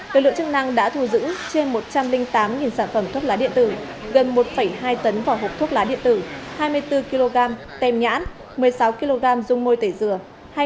lực lượng chức năng đã thu giữ trên một trăm linh tám sản phẩm thuốc lá điện tử gần một hai tấn vỏ hộp thuốc lá điện tử hai mươi bốn kg tem nhãn một mươi sáu kg dung môi tẩy dừa